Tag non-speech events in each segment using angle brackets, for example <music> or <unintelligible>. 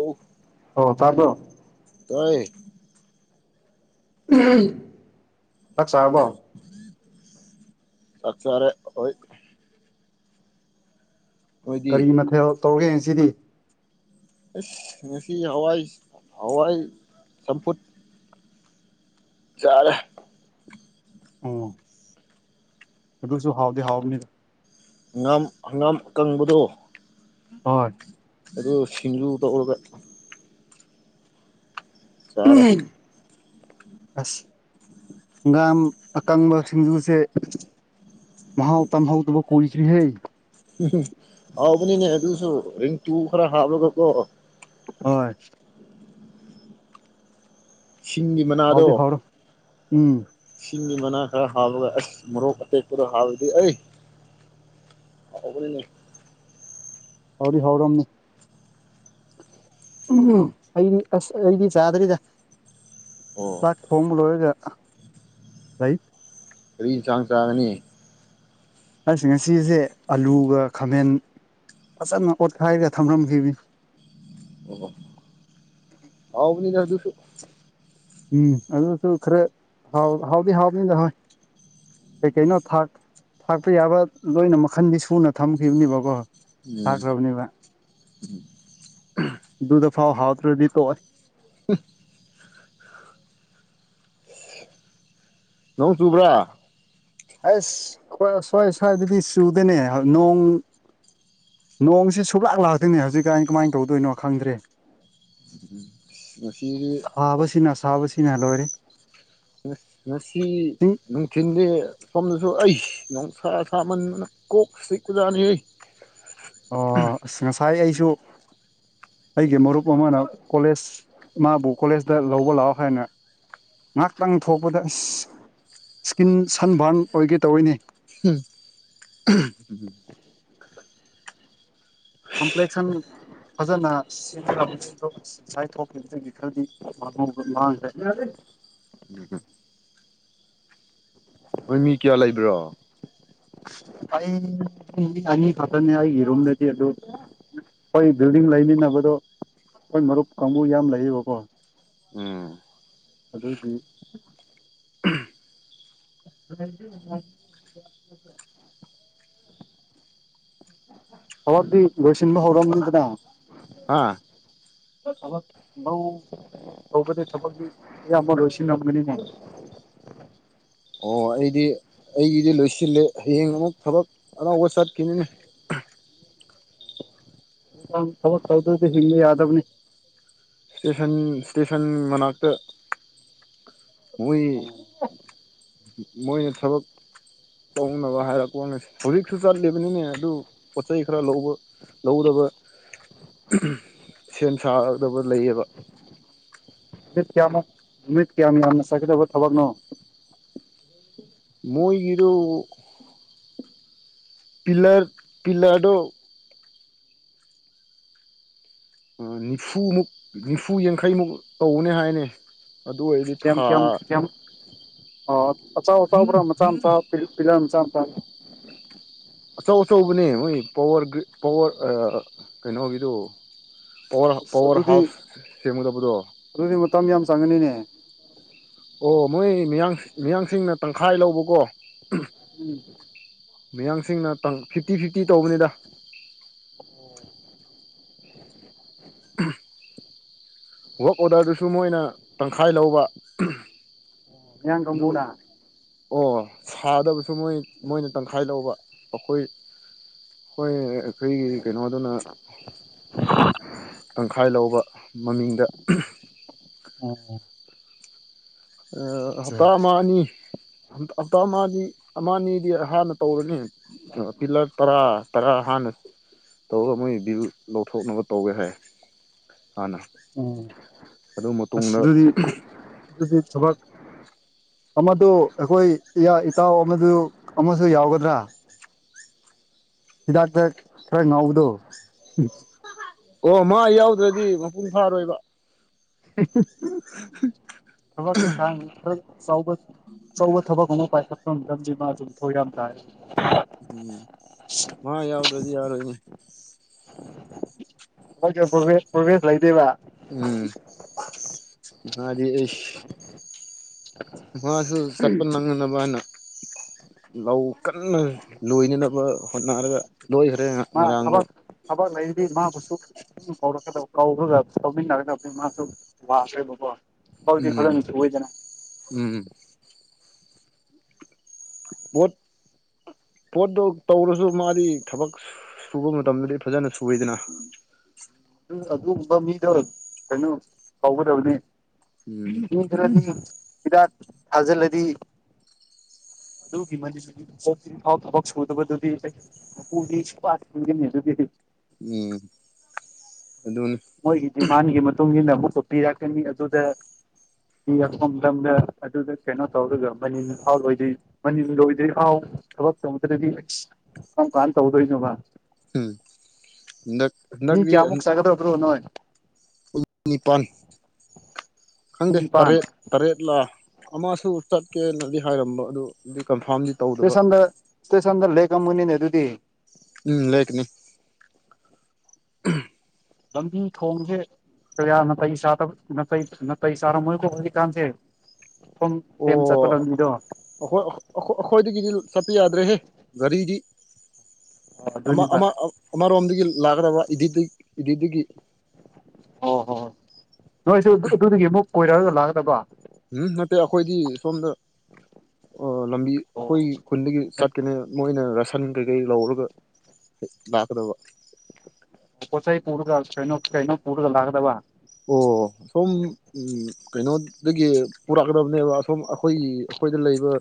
ꯑꯣ ꯑꯣ ꯇꯥꯕ꯭ꯔꯣ ꯇꯥꯏ ꯆꯥꯛ ꯆꯥꯔꯕꯣ ꯆꯥꯛ ꯆꯥꯔꯦ ꯑꯣꯏ ꯅꯣꯏꯗꯤ ꯀꯔꯤ ꯃꯊꯦꯜ ꯇꯧꯔꯦ ꯉꯁꯤꯗꯤ ꯑꯁ ꯉꯁꯤ ꯍꯋꯥꯏ ꯍꯋꯥꯏ ꯆꯝꯐꯨꯠ ꯆꯥꯔꯦ ꯑꯣ ꯑꯩꯗꯨꯖꯨ ꯍꯥꯎꯗꯤ ꯍꯥꯎꯕꯅꯤ ꯉꯝ ꯍꯪꯒꯥꯝ ꯑꯀꯪꯕꯗꯣ ꯍꯣꯏ ꯑꯗꯨ ꯁꯤꯡꯖꯨ ꯇꯧꯔꯒ ꯆꯥꯔꯦ ꯑꯁ ꯒꯥꯝ ꯑꯀꯪꯕ ꯁꯤꯡꯖꯨꯁꯦ ꯃꯍꯥꯎ ꯇꯝꯍꯧꯇꯕ ꯀꯨꯏꯈ꯭ꯔꯦꯍꯦ ꯍꯥꯎꯕꯅꯤꯅꯦ ꯑꯗꯨꯁꯨ ꯔꯤꯡꯇꯨ ꯈꯔ ꯍꯥꯞꯂꯒꯀꯣ ꯍꯣꯏ <unintelligible> ꯍꯥꯎꯗꯤ ꯍꯥꯎꯔꯣ ꯎꯝ ꯁꯤꯡꯒꯤ ꯃꯅꯥ ꯈꯔ ꯍꯥꯞꯕꯒ ꯑꯁ ꯃꯣꯔꯣꯛ ꯑꯇꯦꯛꯄꯗꯣ ꯍꯥꯕꯗꯤ ꯑꯩ ꯍꯥꯎꯕꯅꯤꯅꯦ ꯍꯧꯥꯎꯗꯤ ꯍꯥꯎꯔꯝꯅꯤ ꯑꯩꯗꯤ ꯑꯁ ꯑꯩꯗꯤ ꯆꯥꯗꯔꯤꯗ ꯑꯣ ꯆꯥꯛ ꯊꯣꯡꯕ ꯂꯣꯏꯔꯒ ꯂꯩ ꯀꯔꯤ ꯏꯆꯥꯡ ꯆꯥꯒꯅꯤ ꯑꯁ ꯉꯁꯤꯖꯦ ꯑꯂꯨꯒ ꯈꯥꯃꯦꯟ ꯐꯖꯅ ꯑꯣꯠꯈꯥꯏꯔ ꯊꯝꯔꯝꯈꯤꯕꯅꯤ <inaudible> ꯍꯥꯎꯕꯅꯤꯗ ꯑꯗꯨꯁꯨ ꯎꯝ ꯑꯗꯨꯁꯨ ꯈꯔ ꯍꯥꯎ ꯍꯥꯎꯗꯤ ꯍꯥꯎꯕꯅꯤꯗ ꯍꯣꯏ ꯀꯩ ꯀꯩꯅꯣ ꯊ ꯊꯥꯛꯄ ꯌꯥꯕ ꯂꯣꯏꯅ ꯃꯈꯟꯗꯤ ꯁꯨꯅ ꯊꯝꯈꯤꯕꯅꯦꯕꯀꯣ ꯎꯝ ꯊꯥꯛꯈ꯭ꯔꯕꯅꯤꯕ ꯑꯗꯨꯗꯨꯗ ꯐꯥꯎ ꯍꯥꯥꯐꯇ꯭ꯔꯗꯤ ꯇꯣꯛꯑꯣꯏ <inaudible> ꯅꯣꯡ ꯆꯨꯕ꯭ꯔꯥ ꯑꯁ ꯈꯣꯏ ꯑꯥꯁ꯭ꯋꯥꯏ ꯑꯥꯁ꯭ꯋꯥꯏꯗꯗꯤ ꯆꯨꯗꯅꯦ ꯅꯣꯡ ꯅꯣꯡꯁꯤ ꯁꯨꯞꯂꯥꯛ ꯂꯥꯛꯇꯣꯏꯅꯦ ꯍꯧꯖꯤꯛꯀꯥꯏꯩꯅ ꯀꯃꯥꯏꯅ ꯇꯧꯗꯣꯏꯅꯣ ꯈꯪꯗ꯭ꯔꯦ ꯅꯨꯄꯤꯒꯤ ꯐꯥꯕꯁꯤꯅꯥ ꯑꯥꯕꯁꯤꯅ ꯂꯣꯏꯔꯦ ꯉꯥꯁꯤ ꯆꯤꯡ ꯅꯨꯡꯊꯤꯟꯗꯤ ꯁꯣꯝꯗꯁꯨ ꯑꯩꯁ ꯅꯨꯡꯁꯥ ꯁꯥꯃꯟꯗꯥꯅ ꯀꯣꯛ ꯆꯤꯛꯄꯥꯖꯅꯤ ꯑꯣ ꯑꯁ ꯉꯁꯥꯏ ꯑꯩꯁꯨ ꯑꯩꯒꯤ ꯃꯔꯨꯞ ꯑꯃꯅ ꯀꯣꯂꯦꯖ ꯃꯥꯕꯨ ꯀꯣꯂꯦꯖꯇ ꯂꯧꯕ ꯂꯥꯛꯑꯣ ꯍꯥꯏꯅ ꯉꯥꯏꯍꯥꯛꯇꯪ ꯊꯣꯛꯄꯗ ꯏꯁꯀꯤꯟ ꯁꯟꯕꯔꯟ ꯑꯣꯏꯒꯦ ꯇꯧꯋꯤꯅꯦ ꯍꯝ ꯀꯝꯄ꯭ꯂꯦꯛꯁꯟ ꯐꯖꯅ ꯉꯁꯥꯏ ꯊꯣꯛꯈꯤꯕꯗꯒꯤ ꯈꯔꯗꯤ <unintelligible> ꯃꯥꯡꯈ꯭ꯔꯦ ꯎꯝ ꯍꯣꯏ ꯃꯤ ꯀꯌꯥ ꯂꯩꯕ꯭ꯔꯣ ꯑꯩ ꯃꯤ ꯑꯅꯤ ꯈꯛꯇꯅꯦ ꯑꯩꯒꯤꯔꯨꯝꯗꯗꯤ ꯑꯗꯨ ꯍꯣꯏ ꯕꯤꯜꯗꯤꯡ ꯂꯩꯃꯤꯟꯅꯕꯗꯣ ꯍꯣꯏ ꯃꯔꯨꯞ ꯀꯥꯡꯕꯨ ꯌꯥꯝ ꯂꯩꯌꯦꯕꯀꯣ ꯑꯗꯨꯒꯤ <inaudible> <unintelligible> ꯂꯣꯏꯁꯤꯟꯕ ꯍꯧꯔꯝꯅꯤꯗꯅ ꯍꯥꯥ <unintelligible> ꯍꯧꯕꯗꯤ ꯊꯕꯛꯇꯤ ꯑꯌꯥꯝꯕ ꯂꯣꯏꯁꯤꯟꯂꯝꯒꯅꯤꯅꯦ ꯑꯣ ꯑꯩꯗꯤ ꯑꯩꯒꯤꯗꯤ ꯂꯣꯏꯁꯤꯜꯂꯦ ꯍꯌꯦꯡ ꯑꯃꯨꯛ ꯊꯕꯛ ꯑꯅꯧꯕ ꯆꯠꯈꯤꯅꯤ ꯊꯕꯛ ꯇꯧꯗꯗꯤ ꯍꯤꯡꯕ ꯌꯥꯗꯕꯅꯤ ꯏꯁꯇꯦꯁꯟ ꯏꯁꯇꯦꯁꯟ ꯃꯅꯥꯛꯇ ꯃꯣꯏ ꯅꯨꯃꯤꯠ ꯃꯣꯏꯅ ꯊꯕꯛ ꯇꯧꯅꯕ ꯍꯥꯏꯔꯛꯄ ꯍꯧꯖꯤꯛꯁꯨ ꯆꯠꯂꯤꯕꯅꯤꯅꯦ ꯑꯗꯨ ꯄꯣꯠ ꯆꯩ ꯈꯔ ꯂꯧꯕ ꯂꯧꯗꯕ ꯁꯦꯝ ꯁꯥꯒꯗꯕ ꯂꯩꯌꯦꯕ ꯅꯨꯠ ꯀꯌꯥꯃ ꯅꯨꯃꯤꯠ ꯀꯌꯥꯝ ꯌꯥꯝꯅ ꯆꯠꯀꯗꯕ ꯊꯕꯛꯅꯣ ꯃꯣꯏꯒꯤꯗꯣ ꯄꯤꯂꯔ ꯄꯤꯂꯔꯗꯣ ꯑꯥ ꯅꯤꯐꯨꯃꯨꯛ ꯅꯤꯐꯨ ꯌꯥꯡꯈꯩꯃꯨꯛ ꯇꯧꯅꯦ ꯍꯥꯏꯅꯦ ꯑꯗꯨ ꯑꯣꯏꯔꯗꯤ ꯊꯥ ꯑꯣ ꯑꯆꯥꯎ ꯑꯆꯥꯎꯕ ꯃꯆꯥ ꯃꯆꯥ ꯄꯤꯂꯔ ꯃꯆꯥ ꯃꯆꯥ ꯑꯆꯧ ꯑꯆꯧꯕꯅꯦ ꯃꯣꯏ ꯄꯋꯥꯔꯔꯤ ꯄꯋꯥꯔ ꯀꯩꯅꯣꯒꯤꯗꯨ ꯄꯥꯋꯔ ꯑꯁ ꯄꯋꯥꯔ ꯑꯗꯨꯗꯤ ꯍꯥꯎꯁ ꯁꯦꯝꯒꯗꯕꯗꯣ ꯑꯗꯨꯗꯤ ꯃꯇꯝ ꯌꯥꯝ ꯆꯪꯒꯅꯤꯅꯦ ꯑꯣ ꯃꯣꯏ ꯃꯤꯌꯥꯡ ꯃꯤꯌꯥꯡꯁꯤꯡꯅ ꯇꯪꯈꯥꯏ ꯂꯧꯕꯀꯣ ꯎꯝ ꯃꯌꯥꯡꯁꯤꯡꯅ ꯇꯪ ꯐꯤꯐꯇꯤ ꯐꯤꯐꯇꯤ ꯇꯧꯕꯅꯤꯗ ꯋꯥꯛ ꯑꯣꯗꯔꯗꯨꯁꯨ ꯃꯣꯏꯅ ꯇꯪꯈꯥꯏ ꯂꯧꯕ ꯃꯤꯌꯥꯡ ꯑꯗꯨ ꯀꯥꯡꯕꯨꯅ ꯑꯣ ꯁꯥꯗꯕꯁꯨ ꯃꯣꯏ ꯃꯣꯏꯅ ꯇꯪꯈꯥꯏ ꯂꯧꯕ ꯑꯩꯈꯣꯏ ꯍꯣꯏ ꯑꯩꯈꯣꯏꯒꯤ ꯀꯩꯅꯣꯗꯨꯅ ꯇꯪꯈꯥꯏ ꯂꯧꯕ ꯃꯃꯤꯡꯗ ꯑꯣ ꯍꯞꯇꯥ ꯑꯃ ꯑꯅꯤ ꯍꯞꯇꯥ ꯃꯥꯗꯤ ꯑꯃꯅꯤꯗꯤ ꯍꯥꯟꯅ ꯇꯧꯔꯅꯤ ꯄꯤꯂꯔ ꯇꯔꯥ ꯇꯔꯥ ꯍꯥꯟꯅ ꯇꯧꯔꯒ ꯃꯣꯏ ꯕꯤꯜ ꯂꯧꯊꯣꯛꯅꯕ ꯇꯧꯒꯦ ꯍꯥꯏ ꯍꯥꯟꯅ ꯑꯗꯨ ꯃꯇꯨꯡꯗ ꯑꯗꯨꯗꯤ ꯑꯗꯨꯗꯤ ꯊꯕꯛ ꯑꯃꯗꯨ ꯑꯩꯈꯣꯏ ꯏꯌꯥꯏ ꯏꯇꯥꯎ ꯑꯃꯗꯨ ꯑꯃꯁꯨ ꯌꯥꯎꯒꯗ꯭ꯔꯥ ꯍꯤꯗꯥꯛꯇ ꯈꯔ ꯉꯥꯎꯕꯗꯣ ꯑꯣ ꯃꯥ ꯌꯥꯎꯗ꯭ꯔꯗꯤ ꯃꯄꯨꯡ ꯐꯥꯔꯣꯏꯕ <unintelligible> ꯊꯕꯛ ꯏꯪꯈꯥꯡ ꯈꯔ ꯆꯥꯎꯕ ꯑꯆꯧꯕ ꯊꯕꯛ ꯑꯃ ꯄꯥꯏꯈꯠ ꯇꯥꯞ ꯇꯞꯗꯤ ꯃꯁꯨ ꯈꯣꯏ ꯌꯥꯝ ꯇꯥꯏ ꯎꯝ ꯃꯥ ꯌꯥꯎꯗ꯭ꯔꯗꯤ ꯌꯥꯔꯣꯏꯅꯦ <unintelligible> ꯄꯚꯦꯁ ꯂꯩꯗꯦꯕ ꯎꯝ ꯃꯥꯗꯤ ꯑꯩꯁ ꯃꯥꯁꯨ ꯆꯠꯄꯜ ꯃꯒꯅꯥꯕꯅ ꯂꯧ ꯀꯟꯅ ꯂꯣꯏꯅꯅꯕ ꯍꯣꯠꯅꯔꯒ ꯂꯣꯏꯈ꯭ꯔꯦ ꯃꯥ ꯉꯔꯥꯡꯗꯣ ꯊꯕꯛ ꯊꯕꯛ ꯂꯩꯔꯤ ꯃꯥꯕꯨꯁꯨ ꯀꯧꯔꯀꯗꯧ ꯀꯧꯔꯥꯒ ꯇꯧꯃꯤꯟꯅꯒꯗꯕꯗꯤ ꯃꯥꯁꯨ ꯋꯥꯈ꯭ꯔꯦꯕꯀꯣ ꯎꯝ <unintelligible> ꯑꯣꯏꯗꯅ ꯎꯝ ꯋꯠ ꯄꯣꯠꯇꯣ ꯇꯧꯔꯁꯨ ꯃꯥꯗꯤ ꯊꯕꯛ ꯁꯨꯕ ꯃꯇꯝꯗꯗꯤ ꯐꯖꯅ ꯁꯨꯏꯗꯅ ꯎꯝ ꯑꯗꯨꯒꯨꯝꯕ ꯃꯤꯗꯔ ꯀꯩꯅꯣ ꯇꯥꯎꯒꯗꯕꯅꯤ ꯎꯝ ꯈꯔꯥꯅꯤ ꯍꯤꯗꯥꯛ ꯊꯥꯖꯤꯜꯂꯗꯤ ꯑꯗꯨꯒꯤ <unintelligible> ꯆꯥꯍꯤꯄꯐꯥꯎ ꯊꯕꯛ ꯁꯨꯗꯕꯥꯗꯨꯗꯤ <unintelligible> ꯃꯤ ꯑꯗꯨꯅꯤ ꯃꯣꯏꯒꯤ ꯗꯤꯃꯥꯟꯒꯤ ꯃꯇꯨꯡ ꯏꯟꯅ ꯑꯃꯨꯛꯀꯣ ꯄꯤꯔꯛꯀꯅꯤ ꯑꯗꯨꯗ ꯄꯤ ꯌꯥꯛꯐꯝ ꯂꯝꯗ ꯑꯗꯨꯗ ꯀꯩꯅꯣ ꯇꯧꯔꯒ ꯃꯅꯤꯡ ꯐꯥꯎ ꯑꯣꯏꯗꯣꯏ ꯃꯅꯤꯜ ꯂꯣꯏꯗ꯭ꯔꯤ ꯑꯥꯎ ꯊꯕꯛ ꯇꯧꯗ꯭ꯔꯗꯤ ꯀꯔꯝ ꯀꯥꯟꯅ ꯇꯧꯗꯣꯏꯅꯣꯕ ꯎꯝ ꯅꯥꯠ ꯃꯤ ꯀꯌꯥꯃꯨꯛ ꯆꯒꯗꯕ꯭ꯔꯣ ꯅꯣꯏ ꯅꯤꯄꯜ ꯃꯤ ꯈꯪꯗꯦ ꯅꯤꯄꯥꯟ ꯇꯔꯦꯠ ꯇꯔꯦꯠꯂꯥ ꯑꯃꯁꯨ ꯆꯠꯀꯦꯅꯗꯤ ꯍꯥꯏꯔꯝꯕ ꯑꯗꯨ ꯀꯟꯐꯥꯔꯝꯗꯤ ꯇꯧꯗꯕ ꯇꯦꯁꯟꯗꯥꯥ ꯏꯁꯇꯦꯁꯥꯟꯗ ꯂꯩꯛꯑꯃ ꯃꯅꯤꯅꯦ ꯑꯗꯨꯗꯨꯗꯤ ꯎꯝ ꯂꯩꯛ ꯀꯅꯤ ꯂꯝꯕꯤ ꯊꯣꯡꯁꯦ ꯀꯥꯌꯅꯥ ꯐꯩ ꯆꯗꯞ ꯅꯥꯇꯩ ꯅꯇꯩ ꯆꯥꯔꯝꯃꯣꯏꯀꯣ ꯅꯨꯃꯤꯗꯥꯡꯁꯦ ꯊꯨꯝ ꯑꯣ ꯀꯦꯝ ꯆꯠꯄ ꯂꯝꯅꯤꯗꯣ ꯑꯩꯈꯣꯏ ꯑꯩꯈꯣꯏꯗꯒꯤꯗꯤ ꯆꯠꯄ ꯌꯥꯗ꯭ꯔꯦꯍꯦ ꯒꯥꯔꯤꯗꯤ ꯑꯃ ꯑꯗꯨꯅꯦꯕ ꯑꯃ ꯑꯃꯔꯣꯝꯗꯒꯤ ꯂꯥꯛꯀꯗꯕ ꯏꯗꯤꯗꯤ ꯏꯗꯤꯗꯤꯒꯤ ꯑꯣ ꯍꯣ ꯍꯣ ꯅꯣꯏꯁꯨ ꯑꯗꯨ ꯑꯗꯨꯗꯒꯤ ꯑꯃꯨꯛ ꯀꯣꯏꯔꯛꯑꯒ ꯂꯥꯛꯀꯗꯕ ꯎꯝ ꯅꯠꯇꯦ ꯑꯩꯈꯣꯏꯗꯤ ꯁꯣꯝꯗ ꯑꯣ ꯂꯝꯕꯤ ꯑꯩꯈꯣꯏ ꯑꯣ ꯈꯨꯟꯗꯒꯤ ꯆꯠꯀꯅꯤ ꯃꯣꯏꯅ ꯔꯁ ꯐꯟ ꯀꯩꯀꯩ ꯂꯧꯔꯒ ꯂꯥꯛꯀꯗꯕ ꯄꯣꯠ ꯆꯩ ꯄꯨꯔꯒ ꯀꯩꯅꯣ ꯀꯩꯅꯣ ꯄꯨꯔꯒ ꯂꯥꯛꯀꯗꯕ ꯑꯣ ꯁꯣꯝ ꯀꯩꯅꯣꯗꯒꯤ ꯄꯨꯔꯛꯀꯗꯕꯅꯦꯕ ꯑꯁꯣꯝ ꯑ ꯑꯩꯈꯣꯏꯒꯤ ꯑꯩꯈꯣꯏꯗ ꯂꯩꯕ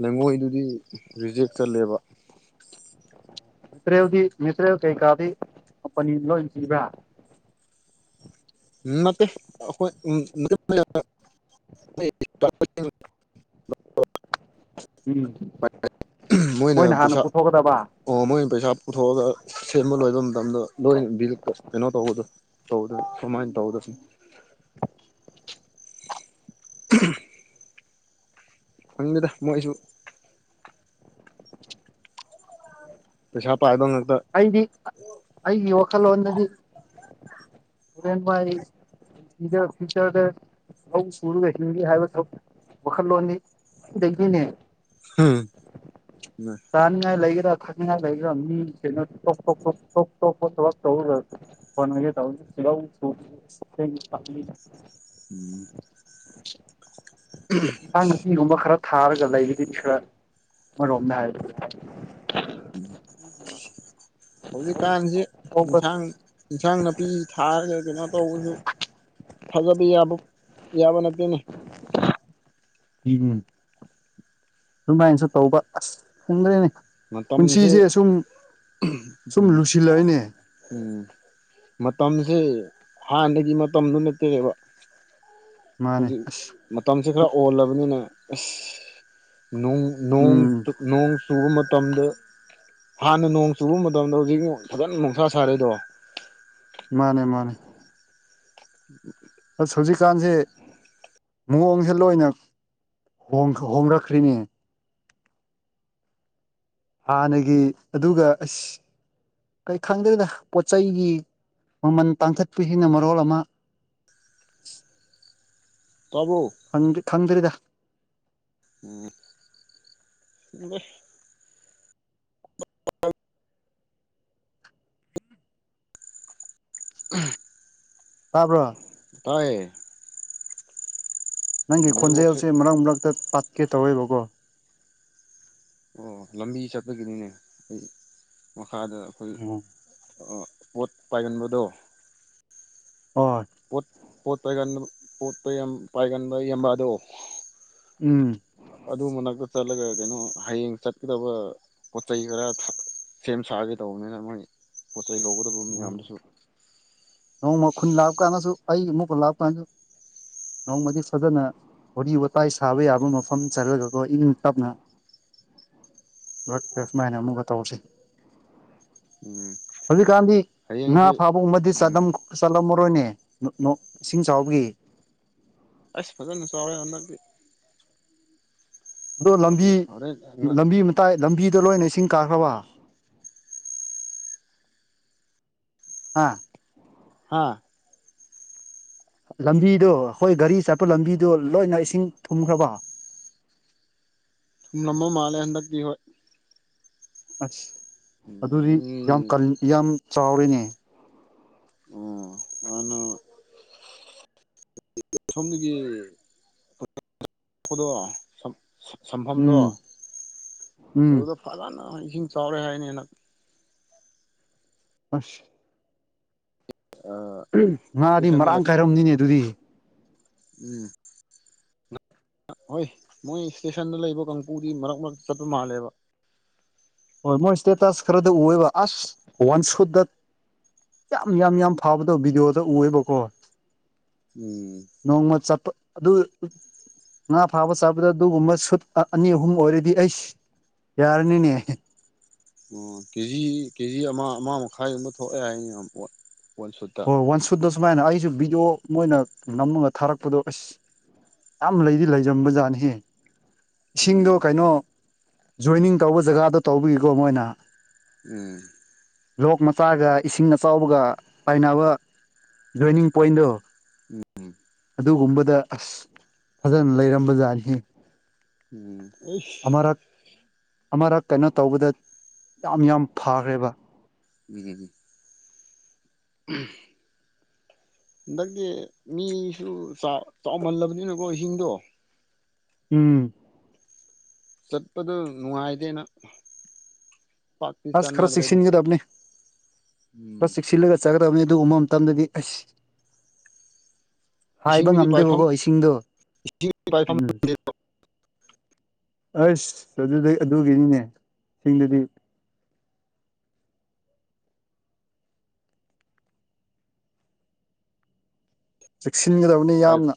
ꯂꯩꯉꯣꯏꯗꯨꯗꯤ ꯔꯤꯖꯦꯛ ꯆꯠꯂꯦꯕ ꯃꯦꯠꯇ꯭ꯔꯦꯜꯗꯤ ꯃꯦꯠꯇ꯭ꯔꯦꯜ ꯀꯦꯀꯥꯗꯤ ꯀꯝꯄꯅꯤꯅ ꯂꯣꯏ ꯄꯤꯕ꯭ꯔ ꯅꯠꯇꯦ ꯑꯩꯈꯣꯏ ꯎꯝ <unintelligible> ꯎꯝ ꯃꯣꯏꯅ ꯍꯥꯟꯅ ꯄꯨꯊꯣꯛꯀꯗꯕ ꯑꯣ ꯃꯣꯏꯅ ꯄꯩꯁꯥ ꯄꯨꯊꯣꯛꯑꯒ ꯁꯦꯝꯕ ꯂꯣꯏꯕ ꯃꯇꯝꯗ ꯂꯣꯏ ꯕꯤꯜ ꯀꯩꯅꯣ ꯇꯧꯕꯗꯣ ꯇꯧꯗꯣꯏ ꯀꯃꯥꯏ ꯇꯧꯗꯣꯏꯁꯤ <unintelligible> <unintelligible> ꯐꯪꯗꯦꯗ ꯃꯣꯏꯁꯨ ꯄꯩꯁꯥ ꯄꯥꯏꯕ ꯉꯛꯇ ꯑꯩꯗꯤ ꯑꯩꯒꯤ ꯋꯥꯈꯜꯂꯣꯟꯗꯗꯤ ꯎꯗꯦꯟ ꯄꯥꯏꯔꯤ ꯐꯤꯆꯔ ꯐꯤꯆꯔꯗ ꯊꯕꯛ ꯁꯨꯔꯒ ꯍꯤꯡꯒꯦ ꯍꯥꯏꯕ ꯊꯧ ꯋꯥꯈꯜꯂꯣꯟꯅꯤ ꯑꯣꯏ ꯂꯩꯖꯩꯅꯦ ꯆꯥꯅꯤꯡꯉꯥꯏ ꯂꯩꯒꯦꯔꯥ ꯊꯛꯅꯤꯡꯉꯥꯏ ꯂꯩꯒꯦꯔꯥ ꯃꯤ ꯀꯩꯅꯣ ꯇꯣꯞ ꯇꯣꯞ ꯇꯣꯞ ꯇꯣꯞ ꯇꯣꯞꯄ ꯊꯕꯛ ꯇꯧꯔꯨꯗ꯭ꯔ ꯐꯣꯟ ꯉꯥꯛꯇ ꯇꯧꯒꯦ ꯂꯧ ꯁꯨꯕꯖꯦ ꯏꯁꯤꯡ ꯄꯠꯂꯤꯗ ꯎꯝ ꯏꯟꯁꯥꯡ ꯅꯥꯄꯤꯒꯨꯝꯕ ꯈꯔ ꯊꯥꯔꯒ ꯂꯩꯕꯗꯤ ꯈꯔ ꯑꯃꯔꯣꯝꯅꯦ ꯍꯥꯏꯕ ꯍꯧꯖꯤꯛꯀꯥꯟꯁꯤ ꯇꯧꯕ ꯏꯟꯁꯥꯡ ꯏꯟꯁꯥꯡ ꯅꯥꯄꯤ ꯊꯥꯔꯒ ꯀꯩꯅꯣ ꯇꯧꯕꯁꯨ ꯊꯥꯖꯕ ꯌꯥꯕ ꯌꯥꯕ ꯅꯨꯄꯤꯅꯤ ꯏꯕꯨꯡꯉꯣ ꯑꯗꯨꯃꯥꯏ ꯆꯠꯇꯧꯕ ꯑꯁ ꯈꯪꯗ꯭ꯔꯦꯅꯦ ꯃꯇꯝꯁꯦ ꯄꯨꯟꯁꯤꯁꯦ ꯁꯨꯝ ꯁꯨꯝ ꯂꯨꯁꯤꯜꯂꯛꯑꯦꯅꯦ ꯑ ꯃꯇꯥꯝꯖꯦ ꯍꯥꯟꯅꯒꯤ ꯃꯇꯝꯗꯨ ꯅꯠꯇꯔꯦꯕ ꯃꯥꯅꯦ ꯍꯧꯖꯤꯛ ꯑꯁ ꯃꯇꯝꯁꯤ ꯈꯔ ꯑꯣꯜꯂꯕꯅꯤꯅ ꯑꯁ ꯅꯣꯡ ꯅꯣꯡ ꯎꯝ ꯇꯨꯞ ꯅꯣꯡ ꯆꯨꯕ ꯃ ꯇꯝꯗ ꯍꯥꯟꯅ ꯅꯣꯡ ꯆꯨꯕ ꯃꯇꯝꯗ ꯍꯧꯖꯤꯛꯃꯨꯛ ꯐꯖꯅ ꯅꯣꯡꯁꯥ ꯁꯥꯔꯦꯗꯣ ꯃꯥꯅꯦ ꯃꯥꯅꯦ <unintelligible> ꯑꯁ ꯍꯧꯖꯤꯛꯀꯥꯟꯁꯦ ꯃꯑꯣꯡꯁꯦ ꯂꯣꯏꯅ ꯍꯣꯡꯈ ꯍꯣꯡꯂꯛꯈ꯭ꯔꯤꯅꯦ ꯍꯥꯟꯅꯒꯤ ꯑꯗꯨꯒ ꯑꯁ ꯀꯩ ꯈꯪꯗꯦꯗ ꯄꯣꯠ ꯆꯩꯒꯤ ꯃꯃꯜ ꯇꯥꯡꯈꯠꯄꯁꯤꯅ ꯃꯔꯣꯜ ꯑꯃ ꯇꯥꯕ꯭ꯔꯣ ꯍꯪꯗ꯭ꯔꯤ ꯈꯪꯗ꯭ꯔꯤꯗ ꯎꯝ <unintelligible> ꯇꯥꯕ꯭ꯔꯣ ꯇꯥꯏꯌꯦ ꯅꯪꯒꯤ ꯅꯦꯠꯋꯥꯛꯁꯦ ꯈꯣꯟꯖꯦꯜꯁꯦ ꯃꯔꯛ ꯃꯔꯛꯇ ꯄꯥꯠꯀꯦ ꯇꯧꯋꯦꯕꯀꯣ ꯑꯣ ꯂꯝꯕꯤ ꯆꯠꯄꯒꯤꯅꯤꯅꯦ ꯑꯩ ꯃꯈꯥꯗ ꯑꯩꯈꯣꯏ ꯑꯣ ꯄꯣꯠ ꯄꯥꯏꯒꯟꯕꯗꯣ ꯑꯣꯏ ꯄꯣꯠ ꯄꯣꯠ ꯄꯥꯏꯒꯟ ꯄꯣꯠꯇꯥ ꯌꯝ ꯄꯥꯏꯒꯟꯕ ꯏꯌꯥꯝꯕꯗꯣ ꯎꯝ ꯑꯗꯨ ꯃꯅꯥꯛꯇꯥ ꯆꯠꯂꯒ ꯀꯩꯅꯣ ꯍꯌꯦꯡ ꯆꯠꯀꯥꯗꯕ ꯄꯣꯠ ꯆꯩꯩ ꯈꯔ ꯁꯦꯝ ꯁꯥꯒꯦ ꯇꯧꯕꯅꯤꯅ ꯃꯣꯏ ꯄꯣꯠꯆꯩ ꯂꯧꯒꯗꯕ ꯑꯣ ꯃꯌꯥꯝꯗꯨꯁꯨ ꯅꯣꯡꯃ ꯈꯨꯟ ꯂꯥꯞ ꯀꯥꯟꯗꯁꯨ ꯑꯩꯒꯤ ꯑꯃꯨꯛꯀꯥ ꯂꯥꯞ ꯀꯥꯟꯗꯁꯨ ꯅꯣꯡꯃꯗꯤ ꯐꯖꯅ ꯋꯥꯔꯤ ꯋꯥꯇꯥꯏ ꯁꯥꯕ ꯌꯥꯕ ꯃꯐꯝ ꯆꯠꯂꯒꯀꯣ ꯏꯪ ꯇꯞꯅ <unintelligible> ꯁꯨꯃꯥꯏꯅ ꯑꯃꯨꯛꯒꯥ ꯇꯧꯁꯤ ꯎꯝ ꯍꯧꯖꯤꯛꯀꯥꯟꯗꯤ ꯉꯥ ꯍꯌꯦꯡꯁꯤ ꯐꯥꯕꯒꯨꯝꯕꯗꯤ ꯎꯝ ꯆꯠꯂꯝ ꯆꯠꯂꯝꯃꯔꯣꯏꯅꯦ ꯅꯣꯡ ꯏꯁꯤꯡ ꯆꯥꯎꯕꯒꯤ ꯑꯩꯁ ꯐꯖꯅ ꯆꯥꯎꯔꯦ ꯍꯟꯗꯛꯇꯤ ꯑꯗꯣ ꯂꯝꯕꯤ ꯍꯣꯔꯦꯟ ꯂꯝꯕꯤ ꯃꯇꯥꯏ ꯂꯝꯕꯤꯗ ꯂꯣꯏꯅ ꯏꯁꯤꯡ ꯀꯥꯈ꯭ꯔꯥꯕ ꯍꯥ ꯍꯥꯥ ꯂꯝꯕꯤꯗꯣ ꯑꯈꯣꯏ ꯒꯥꯔꯤ ꯆꯠꯄ ꯂꯝꯕꯤꯗꯣ ꯂꯣꯏꯅ ꯏꯁꯤꯡ ꯊꯨꯝꯈ꯭ꯔꯥꯕ ꯊꯨꯝꯂꯝꯕ ꯃꯥꯂꯦ ꯍꯟꯗꯛꯇꯤ ꯍꯣꯏ ꯑꯁ ꯑꯗꯨꯗꯤ ꯌꯥꯝ ꯎꯝ ꯀꯟ ꯌꯥꯝ ꯆꯥꯎꯔꯦꯅꯦ ꯑꯣ ꯑꯥꯅ ꯁꯣꯝꯗꯒꯤ <unintelligible> ꯄꯗꯣ ꯁꯥ ꯁꯝꯐꯝꯗꯣ ꯎꯝ ꯎꯝ ꯑꯗꯨꯗ ꯐꯖꯅ ꯏꯁꯤꯡ ꯆꯥꯎꯔꯦ ꯍꯥꯏꯅꯤ ꯅ ꯑꯁ ꯎꯝ ꯉꯥꯗꯤ ꯏꯁꯇꯦꯁꯟꯗ ꯃꯔꯥꯡ ꯂꯩ ꯀꯥꯏꯔꯝꯅꯤꯅꯦ ꯑꯗꯨꯗꯤ ꯎꯝ ꯍꯣꯏ ꯃꯣꯏ ꯏꯁꯇꯦꯁꯟꯗ ꯂꯩꯕ ꯀꯥꯡꯄꯨꯗꯤ ꯃꯔꯛ ꯃꯔꯛꯇꯥ ꯆꯠꯄ ꯃꯥꯜꯂꯦꯕ ꯍꯣꯏ ꯃꯣꯏ ꯏꯁꯇꯦꯇꯁ ꯈꯔꯗꯥ ꯎꯋꯦꯕ ꯑꯁ ꯋꯥꯟ ꯁꯨꯠ ꯗꯠ ꯌꯥꯝ ꯌꯥꯝ ꯌꯥꯝ ꯐꯕꯗꯣ ꯚꯤꯗꯤꯑꯣꯗ ꯎꯋꯦꯕꯀꯣ ꯎꯝ ꯅꯣꯡꯃ ꯆꯞꯄ ꯑꯗꯨ ꯉꯥ ꯐꯥꯕ ꯆꯥꯕꯗ ꯑꯗꯨꯒꯨꯝꯕ ꯁꯨꯠ ꯑꯅꯤ ꯑꯍꯨꯝ ꯑꯣꯏꯔꯗꯤ ꯑꯩꯁ ꯌꯥꯔꯅꯤꯅꯦ ꯑꯣ ꯀꯦꯖꯤ ꯀꯦꯖꯤ ꯑꯃ ꯑꯃ ꯃꯈꯥꯏꯒꯨꯝꯕ ꯊꯣꯛꯑꯦ ꯍꯥꯏꯅꯦ <unintelligible> ꯋꯥꯟ ꯁꯨꯠ ꯍꯣꯏ ꯋꯥꯟ ꯁꯨꯠꯇꯥ ꯁꯨꯃꯥꯏꯅ ꯑꯩꯁꯨ ꯚꯤꯗꯤꯑꯣ ꯃꯣꯏꯅ ꯅꯝꯃꯒ ꯊꯥꯔꯛꯄꯗꯣ ꯑꯁ ꯌꯥꯝ ꯂꯩꯗꯤ ꯂꯩꯖꯝꯕ ꯖꯥꯠꯅꯤꯍꯦ ꯏꯁꯤꯡꯗꯣ ꯎꯝ ꯀꯩꯅꯣ ꯖꯣꯏꯅꯤꯡ ꯇꯧꯕ ꯖꯒꯥꯗꯣ ꯇꯧꯕꯤꯒꯤꯀꯣ ꯃꯣꯏꯅ ꯎꯝ ꯂꯣꯛ ꯃꯆꯥꯒ ꯏꯁꯤꯡ ꯑꯆꯥꯎꯕꯒ ꯄꯥꯏꯅꯕ ꯖꯣꯏꯅꯤꯡ ꯄꯣꯏꯟꯗꯣ ꯎꯝ ꯑꯗꯨꯒꯨꯝꯕꯗ ꯑꯁ ꯐꯖꯅ ꯂꯩꯔꯝꯕꯖꯥꯠꯅꯤ ꯎꯝ ꯑꯩꯁ ꯑꯃꯔꯛ ꯑꯃꯔꯛ ꯀꯩꯅꯣ ꯇꯧꯕꯗ ꯌꯥꯝ ꯌꯥꯝ ꯐꯈ꯭ꯔꯦꯕ ꯎꯝ ꯎꯝ ꯍꯟꯗꯛꯇꯤ ꯃꯤꯁꯨ ꯆꯥꯎ ꯆꯥꯎꯃꯜꯂꯕꯅꯤꯅꯀꯣ ꯏꯁꯤꯡꯗꯣ ꯎꯝ ꯆꯠꯄꯗ ꯅꯨꯡꯉꯥꯏꯗꯦꯅ ꯑꯁ ꯈꯔ ꯆꯦꯛꯁꯤꯟꯒꯗꯕꯅꯤ ꯎꯝ ꯈꯔ ꯆꯦꯛꯁꯤꯜꯂꯒ ꯆꯠꯒꯗꯕꯅꯤ ꯑꯗꯨꯒꯨꯕ ꯃꯇꯝꯗꯗꯤ ꯑꯁ ꯍꯥꯏꯕ ꯏꯁꯤꯡꯒꯤꯗꯤ ꯄꯥꯏꯐꯝ ꯉꯝꯗꯦꯕꯀꯣ ꯏꯁꯤꯡꯗꯣ ꯏꯁꯤꯡꯒꯤ ꯄꯥꯏꯐꯝ ꯎꯝ ꯑꯁ ꯑꯗꯨꯗꯩ ꯑꯗꯨꯒꯤꯅꯤꯅꯦ ꯁꯤꯡꯗꯨꯗꯤ ꯆꯦꯛꯁꯤꯟꯒꯗꯕꯅꯤ ꯄꯥꯏ ꯌꯥꯝꯅ